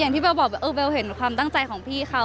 ที่เบลบอกว่าเออเบลเห็นความตั้งใจของพี่เขา